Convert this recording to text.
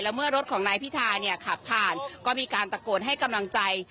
เมื่อรถของนายพิธาเนี่ยขับผ่านก็มีการตะโกนให้กำลังใจ